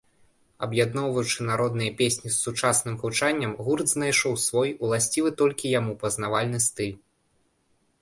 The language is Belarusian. Аб'ядноўваючы народныя песні з сучасным гучаннем, гурт знайшоў свой, уласцівы толькі яму, пазнавальны стыль.